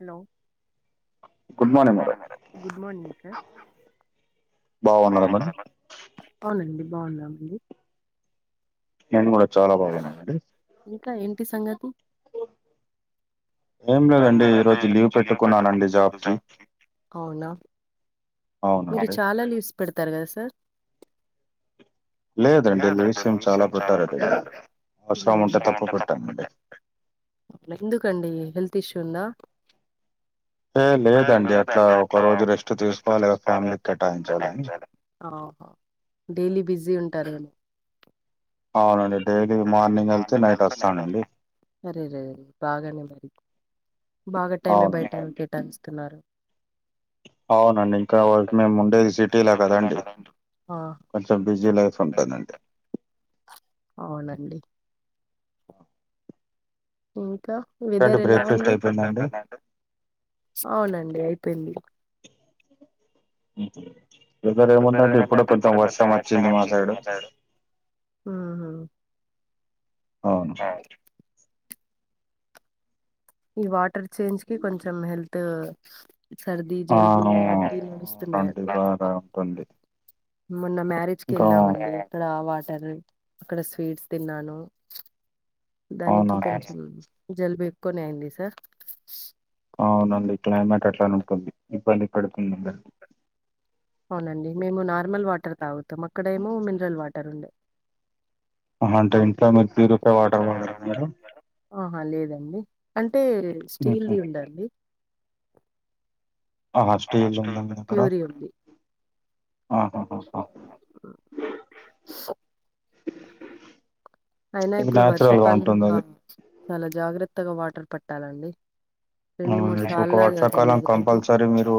Hello good morning madam good morning sir బావున్న రమ్మా ఔనండి బావున్నామండి నేను గుడ చాలా బాగున్నా అండీ ఇంకా ఎంటి సంగతి ఎం లేదండి ఈ రోజు లీవ్ పెట్టకున్న [unintelligible] అవునా మీరు అవునండి చాలా లీవ్స్ పెడుతారు కదా సార్ లీవ్స్ లేదండి ఏం విూషయం చాలా పెట్టారండి పెట్టారు మీరు. ఇక్కడ అవసరం ఉంటే తప్పు పెట్టానండి ఎందుకండి హెల్త్ ఇష్యూ ఉందా ఏ లేదండి అట్లా ఒక రోజు రెస్ట్ [unintelligible] ఆహా డైలీ బిజీ ఉంటరెమో అవునండి డైలీ మార్నింగ్ వెళ్తే నైట్ వస్తానండి అరే రరే బానే మరి బాగా టైమే అవునండి బైట కేటాయిస్తున్నారు అవునండి ఇంకా మేము ఉండేది సిటీలా కదండి ఆ కొంచెం బిజీ లైఫ్ ఉంటదండి అవునండి ఇంకా ఇంకేంటి వెదర్ ఎలా బ్రేక్ఫాస్ట్ ఉంది అయిపోయిందండి అవునండి అయిపోయింది వెదర్ అయినట్టాయితే ఇప్పుడే కొంచెం వర్షం వచ్చింది మ సైడ్ ఆహా అవును ఈ వాటర్ చేంజ్ కి కొంచెం హెల్త్ సర్థి ఆ జల్బు అలాంటివి వస్తున్నాయ అండి వన్ డే మొన్న మ్యారేజ్ కేళ్ళామండి అక్కడ ఆ వాటర్ అక్కడ స్వీట్స్ తిన్నాను దానికి అవునండి కొంచెం జలుబు ఎక్కువనే అయింది సార్ అవునండి క్లైమేట్ అట్లానే ఉంటుంది ఇబ్బంది పెడుతుంది అందరికి అవునండి మేము నార్మల్ వాటర్ తాగుతాం అక్కడ ఏమో మినరల్ వాటర్ ఉండే అహ అంటే ఇంట్లో మీరు ప్యూరి ఫై వాటర్ వాడర మీరు ఆహా లేదండి అంటే హుహు. స్టీల్దిి ఉందండి ఆహా స్టీల్ ఉందా మీ దగ్గర ్యూరి ఉంది ఆహాహా అయినా ఇది ఇప్పుడు నాచురల్ గా ఉంటుంది వర్షాకాలంలో అది చాలా జాగ్రత్తగా వాటర్ పెట్టాలండి అవును ఇ ఒక వర్షాకాలం కంపల్సరీ మీరు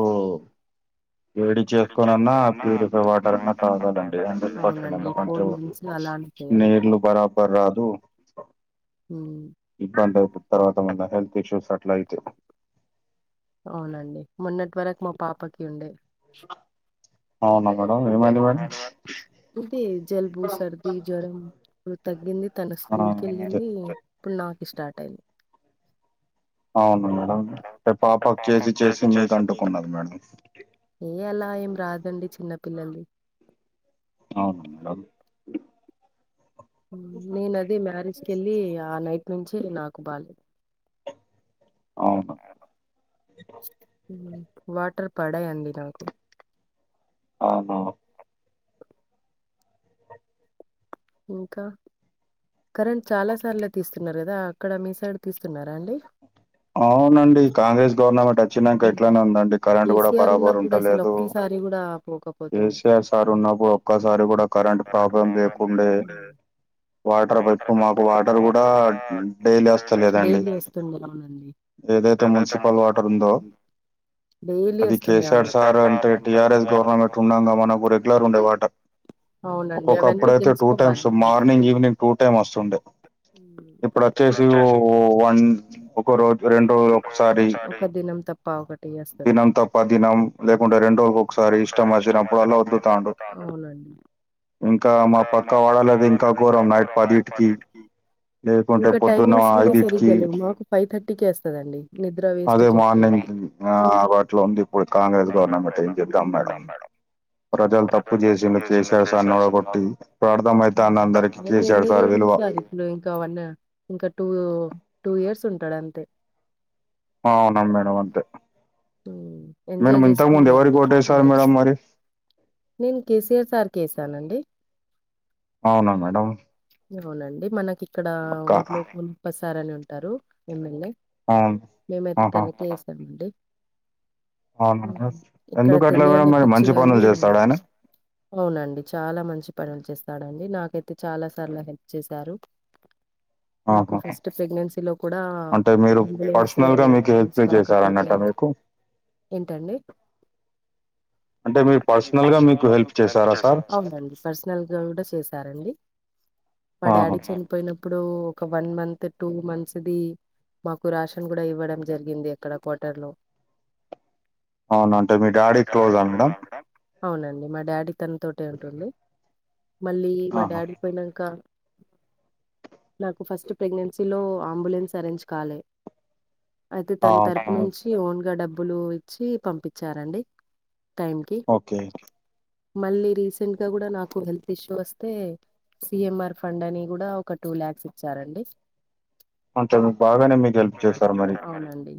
వేడి చేసుకోనన్నా ప్యూరిఫైడ్ వాటర్ అన్నా తాగాలండి హండ్రెడ్ పర్సెంట్ అవునండి ఈ ఎందుకంటే ఫోర్ మంత్స్ అలానే చేయాలి నేళ్లు బరాబర్ రాదు సో మ్ ఇబ్బంది అయిపోంది తర్వాత మళ్ళ హెల్త్ ఇష్యూస్ అట్లా అయితయి అవునండి మొన్నటి వరకు మా పాపకి ఉండే అవునా మేడం ఏమైది మేడం అదే జలుబు సర్ది జ్వరం ఇప్పుడు తగ్గింది తను ఆ స్కూల్ ఇదే కేళ్ళింది ఇప్పుడు నాకి స్టార్ట్ అయింది అవును మేడం పాపకు చేసి చేసి మీకు అంటుకున్నది మేడం ఏ అలా ఏ రాదండి చిన్న పిల్లల్దీ అవును మేడం నేను అది మ్యారేజ్కి వెళ్ళి ఆ నైట్ నుంచి నాకు బాలేదు అవును వాటర్ పడయండి నాకు ఆహా ఇంకా కరెంట్ చాలా సార్లే తీస్తున్నారు కదా అక్కడ మీ సైడ్ తీస్తున్నారా అండి అవునండి కాంగ్రెస్ గవర్నమెంట్ వచ్చినాక ఉమ్, ఎట్లనే ఉందండి కరెంట్ కూడా కేసీఆర్ బరాబరు ఉన్నప్పుడు అసలు ఉండలేదు ఒక్కసారి కూడా పోకపోతుండే ఏసఆర్ సార్ ఉన్నప్పుడు ఒక్కసారి కూడా కరెంట్ ప్రాబ్లం లేకుండే. వాటర్ పైప్పు మాకు వాటర్ కూడా డైలీ వస్తా లేదండి. డైలీ వస్తుండే అవునండి ఏదైతే మున్సిపల్ వాటర్ ఉందో. డైలీ అది వస్తుండే కేసీఆర్ అవును సార్ అంటే టీఆర్ఎస్ గవర్నమెంట్ ఉండంగా మనకు రెగ్యులర్ ఉండేవాట. అవునండి ఒక్కొక్కప్పుడ అవన్నీ అయితే టూ తెలుసుకోవాలి times morning evening two time వస్తుండే. ఇప్పుడు వచ్చేసి. ఒక రోజు రెండు రోజులు ఒకసారి దినం తప్ప ఆట్ దినం తప్ప దినం లేకుంటే రెండోకి ఒకసారి ఇష్టం వచ్చినప్పుడు అలా వదులుతాండు ఇంకా మా పక్క వాడాలది ఇంకా ఘోరం నైట్ పది లేకుంటే ఇంకా పొద్దున్న టైమింగ్స్ కూడా ఐదిటికి సరిగగాలవు మాకు ఫైవ్ థర్టీకే వస్తదండి‌ నిద్ర వేస్ట్ చేసుకోవాలి. అ వాటిలో ఉంది ఇప్పుడు కాంగ్రెస్ గవర్నమెంట్ ఏం చెబదాం మేడం ప్రజలు తప్పు చేసిన కేసీఆర్ సార్నిొడగొట్టి ప్రార్థమైతే అన్నందరికీ కేసఆడు సార్ విలువా ఇ ఇంకావన్ ఇంకా టూ టూ ఇయర్స్ ఉంటాడు అంతే అవునను మేడం అంతే ఉమ్, మేడం ఎంజాయ్ ఇంతకుముందు చేసుకుని ఎవరికి టూ టసారు మేడ ఇయర్స్ మరి నేను కేసీఆర్ సార్కి వసానండి అవునా మేడం అవునండి మనకి ఇక్కడ అక్క ఊర్లో ఉల్ప్పసార్ అని ఉంటారు ఎమ్మెల్యే అవును మేమైతే ఆహా కనకి చేసామండి అవునా? ఇక్కడ ఎందుకు అట్లా మేడం తెలియని మరి మంచి పిచ్చివాళ్ళు పనులు చేస్తాడా ఆయన? అవునండి చాలా మంచి పనులు చేస్తాడంండి నాకైతే చాలా సార్లు హెల్ప్ చేశారు నాకు ఆహా! ఫస్ట్ ప్రెగ్నెన్సీలో కూడా అంటే మీరు అంబులెన్స్ పర్సనల్‌గా మీకు హెల్ప్ బాగాపోతే చేశారన్నట్టా మీకు? ఏంటండి మీరు అంటే మీ పర్సనల్‌గా పర్సనల్ గా మీకు హెల్ప్ చేశారా సార్? చేశారు అవును అండి పర్సనల్ గా కూడా చేసారండి మా ఆహా! డాడీ పోయినప్పుడు ఒక వన్ మంత్ టూ మంత్స్ది మాకు రాషన్ కూడా ఇవ్వడం జరిగింది ఎక్కడ క్వటర్ లో. అవున అంటే మీ డాడీ క్లోజా మేడమ్. అవునండి మా డాడీ తనతోట ఉంటుంది మళ్ళీ మా ఆహా! డాడీ పోయినాక నాకు ఫస్ట్ ప్రెగ్నెన్సీలో అంబులెన్స్ అరేంజ్ కవాలి అయితే తన అవును తరపు మేడం. నుంచి ఓన్గా డబ్బులు ఇచ్చి పంపించారండి. టైం కి ఓకే. మళ్ళీ రీసెంట్ గా కూడా నాకు హెల్త్ ఇష్యూ వస్తే సిఎంఆర్ ఫండ్ అని కూడా ఒక టూ ల్యాక్స్ ఇచ్చారండి అంట బాగానే మీకు హెల్ప్ చేస్తారు మరి. అవునండి.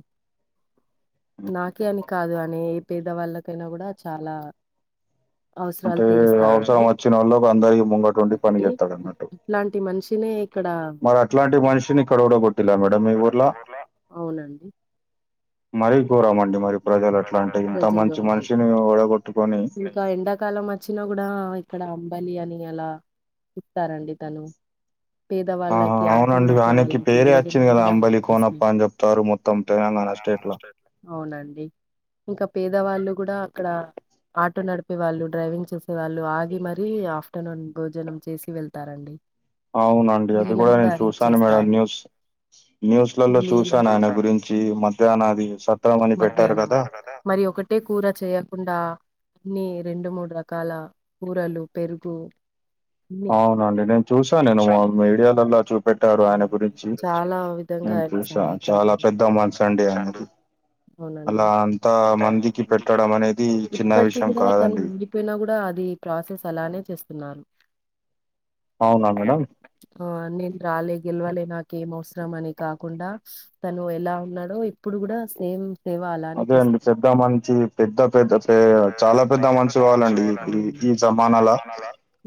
నాకే అని కాదు అని ఏ పేదవాళ్ళకైనా కూడా చాలా. అవసరాలు అంటే తీరుస్తా. అవసరం వచ్చినోళ్ళకి అందరికి ముంగటుండి పని చేస్తాడన్నట్టు. ఇలాంటి మనిషి నే. మరి అట్లాంటి మనిషిని కడవడ కొట్టిలా మేడమ్ ఇవర్లా. అవునండి. మరీ కోరమండి మరి ప్రజలు ఎట్లా అంటే ఇంత ప్రజలు మంచి మనిషిని ఒడగొట్టుకొని. క ఎండాకాలం అచ్చినా గూడా ఇక్కడ అంబలి అని అలా ఇస్తారండి కాని ఆహా అవునండి వనిక్కి వాళ్ళకి పేరే అచ్చింది భోజనం గదా కూడా అంబలి చేస్తారు కోనప్ప అన్ జేప్తారు మొ త్తం తెనంగాణ స్టేట్ లో అవునండి ఇంకా పేదవాళ్ళు గూడా అక్కడ ఆటో నడిపే వాళ్ళు డ్రైవింగ్ చేసేవాళ్ళు ఆగి మరీ ఆఫ్టర్నూన్ భోజనం చేసి వెళ్త తారండి అవునండి అది గూడా నేను చూసాను మేడం చేస్తారు న్యూస్ న్యూస్ లలో మళ్ళీ చూశాను ఆయన గురించి చి మధ్యాహ్నాది సత్రం అని పెట్టారు మధ్యాహ్నం కదా మరి ఒకటి ట్టే కూర చేయకుండా నీ రెండు మూడు రకాల కూరలు పెరుగు అన్ని అవునండి నేను చూశ నేను మీడియా లల్ల చూ పెట్టారు ఆయన అవునండి. గురించి చాలా విధంగా నేను ఆయన చూశా చాలా పెద్ద సహాయపడ్డారు. మచ్చ అండి అయినది అవునండి. అలా అంతా మందికి పెట్టడం అనేది చిన్న విషయం కాదండి. పోయినా గూడా అది ప్రాసెస్ అలానే చేస్తున్నారు. అవునా మేడం? ఆ నేన్ రాలే గేల్వలె నాకేం అవ్సరం అని కాకుండా తను ఎలా ఉన్నాడో ఇప్పుడు గూడా సేమ్ సేవ అలానే అదే అండి చేస్తున్ చెప్పిన మంచి పెద్ద పెద్ద చేయ చాలా పెద్ద మంచి వాలండి ఈ అవును. జమానాల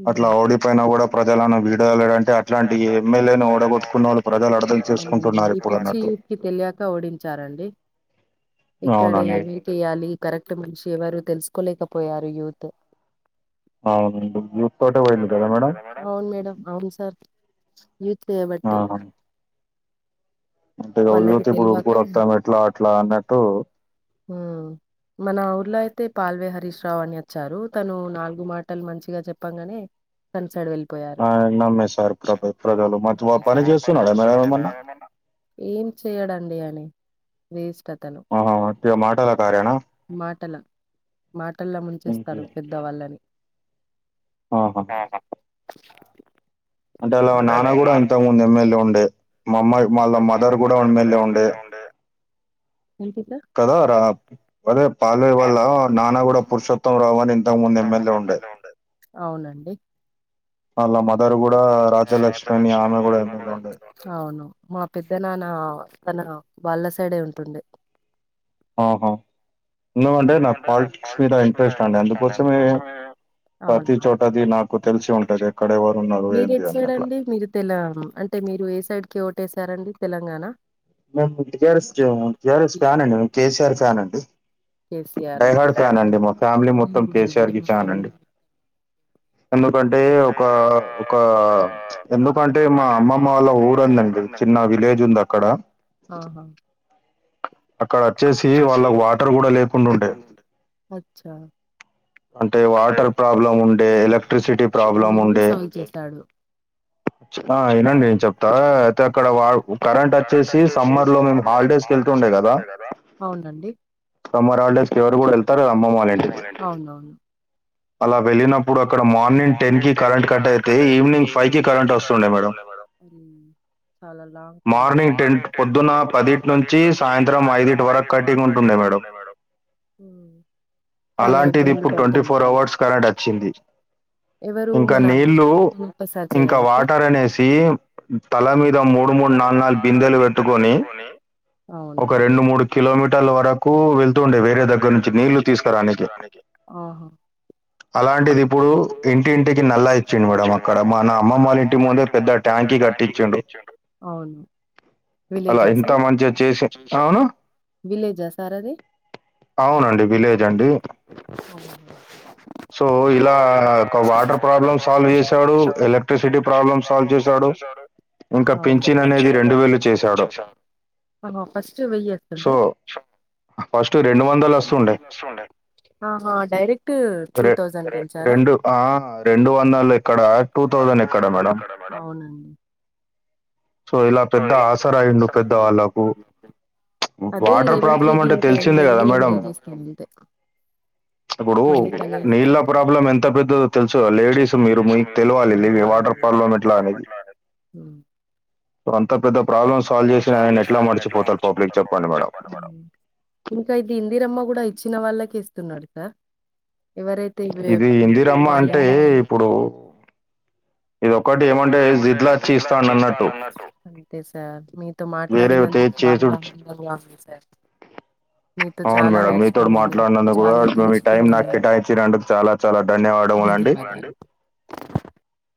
హ్మ్. అట్లా ఓడిపోయిన గూడా ప్రజలను విడలేడంటే అట్లాంటి ఎ ఏం ఎల్ ఏ నీ ఓడగొట్టుకున్న వాళ్ళు ప్రజలు అర్థం అవునండి. చేస్కుంటున్నారు ఇప్పుడు అన్నట్టు ఈ తెల్యక ఓడించారండి ఇక్కడే అవునండి కేయాలి కరెక్ట్ మనిషి ఎవరు తెల్సుకోలేకపోయారు యూత్ అవును యూత్ తోటే వోయింది కదా మేడం అవును మేడం అవును సార్ యూత్ చేయబట్టే అంతేగా వాళ్ళకి యూత్ ఇప్పుడు తెలివక గురతాం ఎట్లా అట్లా అన్నట్టు ఊ మన ఊర్లో అయితే పాల్వే హరీష్ రావు అని అచ్చారు తనూ నాల్గు మాటలు మంచిగా చెప్పంగానే తన్సైడ్ వెళ్ళిపోయారు ఆ, నమ్మేశారు ప్ర- ప్రజలు మంచి వా- పని చేస్తున్నాడు మేడం ఏమన్నా ఏం చెయడండి అని వేస్ట్ అతను ఆహా, ఉట్టిగా మాటల కార్యనా మాటల మాటల్లా ముంచేస్తారు మ్మ్. పెద్దవాళ్ళని ఆహా. అంటే అలా నాన్న గూడా అవునండి ఇంతకు ముందు ఎమ్మెల్యే ఉండే మామ్మాయి వాళ్ళ మదర్ గూడా ఏం ఎల్ ఏ ఉండే అంకిత కదా రా అదే పాలే వాల్ళ నాన్న గూడా పురుషోత్తం రావు అని ఇంతకు ముందు ఎం ఎల్ ఏ ఉండే అవునండి అళ్ళ మదర్ గూడా రాజలక్ష్మి అని ఆమె గూడా ఏం ఎ లే ఉండది అవును మా పెద్ద నన్నా తన వాళ్ళ సైడే ఉంటుండే ఆహా ఎందుగంటే నాకు పాలిటిక్స్ మీద ఇంట్రెస్ట్ అండి అందుకోసమే అవునా ప్రతి చోటది నాకు తేల్సి ఉంటది ఎక్కడెవరు ఉన్నారు ఏంది అని అట్లా తెలుగం అంటే మీరు ఏ సైడ్కి ఓటేసారండి తెలంగాణ మేము టీ ఆర్ ఎస్ కే, టీ ఆర్ ఎస్ ఫ్యాన్ అండి మే కే సీ ఆర్ ఫ్యాన్ అండి కేసీఆర్ ఓకే డైహార్డ్ ఫ్యాన్ అండి మా ఫ్యామిలీ ఓకే నేను మొత్తం కే సీ ఆర్ కూడానండి మా కి ఫ్యాన్ ఫ్యామిలీ అండి ఎందుకంటే ఒకా ఒకా ఎందుకంటే మా అమ్మమ్మ వాళ్ళ ఊరుందండి. చిన్న విలేజ్ ఉంది అక్కడ. ఆహా అక్కడ వచ్చేసి వాళ్ళక్ వాటర్ కూడా లేకుండా ఉండే ఒచ్చా అంటే వాటర్ ప్రాబ్లం ఉండే ఎలక్ట్రిసిటీ ప్రాబ్లం అవన్నీ ప్రాబ్లమ్ ఉండే. సాల్వ్ చేశాడు ఆ ఇనండి నేను చెప్తా అయితే అక్కడ కరెంట్ వచ్చేసి సమ్మర్ లో మేము హాలిడేస్ కేల్ కేస్ ఏళ్తుండే గదా అవునండి. సమ్మర్ హాలిడేస్కి ఎవరు కూడా ఏళ్తారు అమ్మమ్మ వాల్ ఇంటికి. అవునవును అలా వెళ్ళినప్పుడు అక్కడ మార్నింగ్ టెన్ కి కరెంట్ కట్ అయితే ఈవినింగ్ ఫైవ్ కి కరెంట్ వస్తుండే మేడం. అరే చాలా లాంగ్ టైమ్ అ మార్నింగ్ టెన్ పొద్దున పదిటి నుంచి సాయంత్రం ఐదుటు వరకు కట్టిగ్ ఉంటుండే. ఉహ్ చాలా ఇబ్బందులు పడుతుండే వారు డచ్చింది. ఇంకా మన నీళ్ళు, వినూత్న సార్ ఇంకా చేయబట్టి వాటర్ అనేసి. తల మీద మూడు మూడు నాల్ నాల్ బిందెలు వెట్టుకొని ఒక అవునండి రెండు మూడ్. కిలోమీటర్ల వరకు వెళ్తతుండే వేరే దగ్గర నుంచి నీళ్లు తీసుకురానికే ఓహోహ్ అలాంటిది ఇప్పుడు ఇంటింటికి నల్లా ఇచ్చిండు మేడంమ్ అక్కడ మన అమ్మమ్మళ ఇంటి ముందే పెద్దట్ పెద్ద ట్యాకి గట్టిచ్చిండు అవును అలా విలేజా ఇంత సార్ మంచిగా చేసి అవును విలేజా సార్ అది అవునండి విలేజ్ అండి. హమ్మమా సో ఇలా ఒక వాటర్ ప్రాబ్లం సాల్వ్ చేసాడు, ఎలక్ట్రిసిటీ ప్రాబ్లమ్ సాల్వ్ చేశాడు. చూడు ఇంకా పింఛన్ అనేది పించిన్ రొండ్ చేశాడు. అవునా ఫస్ వెయ్యి సో, అంటుండద్ ఫస్ట్ రెండు వందలు వస్తుండే ఆహా డైరిక్ టూ టూ రె థౌసంద్ పెంచారా. రెండు ఆ! ఇక్కడ ఎక్కడ మేడం. అవునండి. సో, ఇలా పెద్ద సోయలే ఆసరా పెట్టేస్ అయిండు ఇంకా పెద్దవాళ్ళకు. అది వాటర్ రేవంత్ ప్రాబ్లమ్ రెడ్డి అంటే తెలిసిందే గదా మేడం. [inaudible] అంతే చేబ్బుడు మళ్ళీ నీళ్ళ కడిగేస్తారు ప్రాబ్లం ఎంత పెద్దదో తెలుసు లేడీస్ మీరు మీకు తెలివాలి లే వాటర్ ప్రాబ్లం ఎట్లా అనేది. ఉహ్ వ్రాంత పేర్ ఇంత పెద్ద ప్రాబ్లమ్ సాల్వ్ జేస్ అయన్ ఎట్లా మర్చిపోతారు చెప్పండి మేడం. ఇంకా ఇది ఇందిరమ్మ కూడా ఇచ్చిన వాళ్ళకి ఇస్తున్నాడు కదా ఎవరైత్ తీ ఇది వేప్ ఇందిరమ్మ అంటే వాలున్నారు. ఇప్పుడు ఇదొక్కటి ఇది ఒటి ఏమంటే జిద్లచ్చి జిట్లాచ్చి ఇస్తా ఇస్తానన్నట్టు. అన్నట్టు. మీతో వేరే తే మాట్లాడినందుకు స్వామ్ చేసుడు వధుండేద్ సార్ మీతో అవును చాలా మేడంమ్ మీ తో నేర్చుకున్నాను మాట్లాడనందు చాలా కూడా మీ టైమ్ తెలుసుకున్నాను నాకు కేటాయిచిన్నదుక్ అంట చాలా చాలా ధన్యవాడము లండి. ధన్యవాదాలు